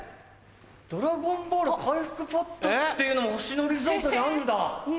「ドラゴンボール回復ポッド」っていうのも星野リゾートにあんだ。